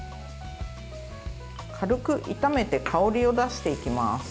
軽く炒めて香りを出していきます。